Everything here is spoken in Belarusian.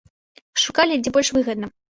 Шукалі, дзе больш выгадна.